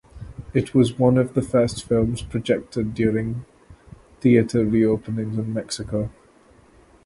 It was one of the first films projected during theaters reopenings in Mexico.